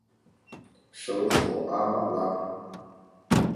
首府阿马拉。